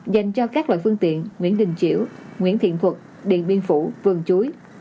dành cho các loại phương tiện nguyễn đình chiểu nguyễn thiện phuật điện biên phủ vườn chúi